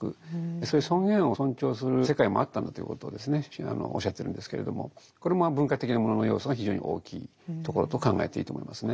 そういう尊厳を尊重する世界もあったんだということをおっしゃってるんですけれどもこれも文化的なものの要素が非常に大きいところと考えていいと思いますね。